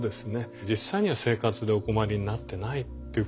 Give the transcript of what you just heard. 実際には生活でお困りになってないっていうことでですね